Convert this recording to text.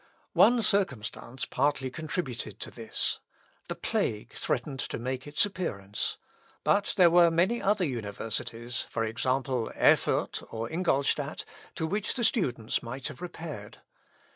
One circumstance partly contributed to this. The plague threatened to make its appearance but there were many other universities for example, Erfurt, or Ingolstadt, to which the students might have repaired.